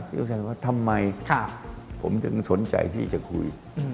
เข้าใจว่าทำไมผมถึงสนใจที่จะคุย